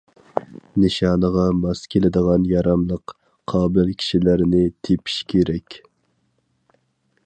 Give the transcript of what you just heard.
نىشانىغا ماس كېلىدىغان ياراملىق، قابىل كىشىلەرنى تېپىش كېرەك.